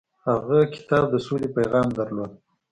هغه کتاب د سولې پیغام درلود.